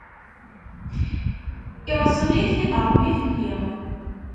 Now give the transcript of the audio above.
Irṣel-it-id Ṛebbi fell-i.